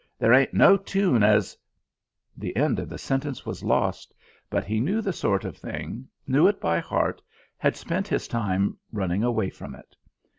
There ain't no tune as " The end of the sentence was lost; but he knew the sort of thing, knew it by heart, had spent his time running away from it.